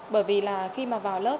bởi vì là khi mà vào lớp